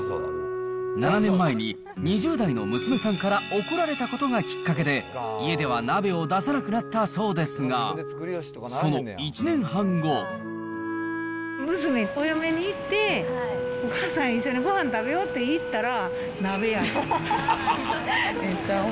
７年前に、２０代の娘さんから怒られたことがきっかけで、家では鍋を出さなくなったそうですが、娘、お嫁にいって、お母さん、一緒にごはん食べようって行ったら鍋やった。